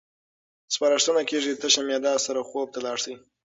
سپارښتنه کېږي تشه معده سره خوب ته لاړ شئ.